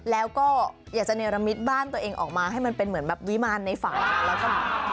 แล้วก็อยากจะเนรมิตบ้านตัวเองออกมาให้มันเป็นเหมือนแบบวิมารในฝันแล้วก็